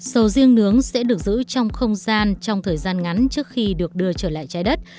sầu riêng nướng sẽ được giữ trong không gian trong thời gian ngắn trước khi được đưa trở lại trái đất